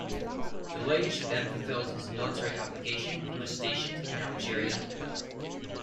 Delage then fulfilled his military obligation and was stationed in Algeria.